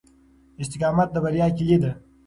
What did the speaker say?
استقامت د بریا کیلي ده.